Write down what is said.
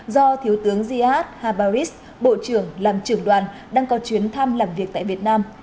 do thiếu tướng ziad habariz bộ trưởng làm trưởng đoàn đang có chuyến thăm làm việc tại việt nam